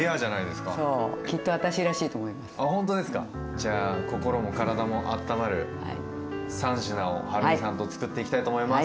じゃあ心も体もあったまる３品をはるみさんとつくっていきたいと思います。